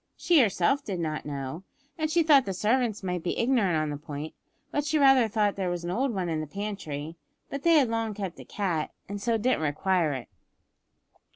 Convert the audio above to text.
She herself did not know, and she thought the servants might be ignorant on the point, but she rather thought there was an old one in the pantry, but they had long kept a cat, and so didn't require it.